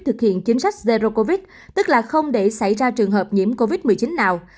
thực hiện chính sách zero covid tức là không để xảy ra trường hợp nhiễm covid một mươi chín nào